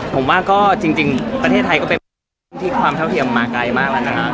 ผมว่าก็จริงประเทศไทยก็เป็นที่ความเท่าเทียมมาไกลมากแล้วนะฮะ